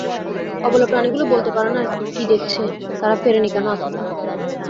অবলা প্রাণীগুলো বলতে পারে না কী দেখেছে তারা, ফেরেনি কেন আসিফা?